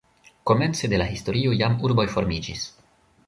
Komence de la historio jam urboj formiĝis.